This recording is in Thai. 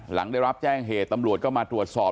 หลังได้รับแจ้งเหตุตำรวจก็มาตรวจสอบ